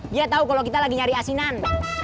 dia tahu kalau kita lagi nyari asinan